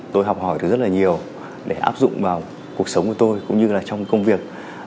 tôi học hỏi được rất là nhiều để áp dụng vào cuộc sống của tôi cũng như là trong công việc